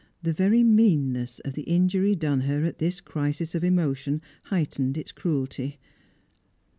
The very meanness of the injury done her at this crisis of emotion heightened its cruelty.